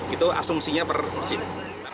itu asumsinya per shift